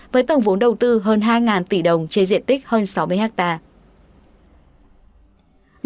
với tổng vốn đầu tư hơn hai tỷ đồng trên diện tích hơn sáu mươi hectare